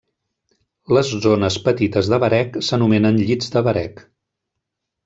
Les zones petites de varec s'anomenen llits de varec.